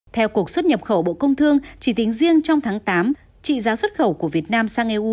theo cuộc xuất nhập khẩu bộ công thương chỉ tính riêng trong tháng tám trị giá xuất khẩu của việt nam sang eu